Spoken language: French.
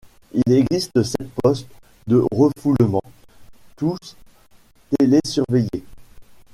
Il existe sept postes de refoulement, tous télésurveillés.